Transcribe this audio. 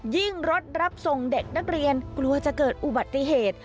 รถรับส่งเด็กนักเรียนกลัวจะเกิดอุบัติเหตุ